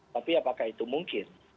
tapi apakah itu mungkin